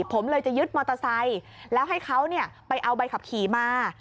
ผมเลยจะยึดมอเตอร์ไซค์แล้วให้เขาไปเอาใบขับขี่มา